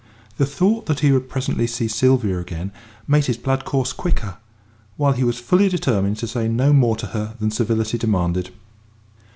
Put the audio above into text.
The thought that he would presently see Sylvia again made his blood course quicker, while he was fully determined to say no more to her than civility demanded.